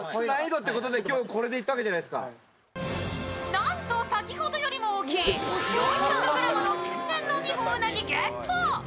なんと先ほどよりも大きい４００ｇの天然のニホンウナギ、ゲット！